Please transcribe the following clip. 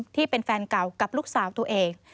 ที่เป็นแฟนเก่ากับลูกสาวตัวเอง